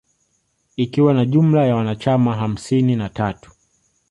Ikiwa na jumla ya wanachama hamsini na tatu